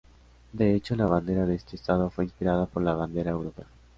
De hecho, la bandera de este estado fue inspirada por la bandera europea.